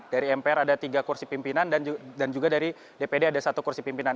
dari mpr ada tiga kursi pimpinan dan juga dari dpd ada satu kursi pimpinan